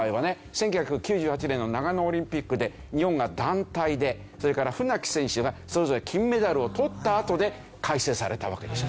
１９９８年の長野オリンピックで日本が団体でそれから船木選手がそれぞれ金メダルをとったあとで改正されたわけでしょ。